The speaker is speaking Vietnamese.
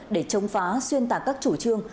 để chống phá xuyên tạc các chủ trương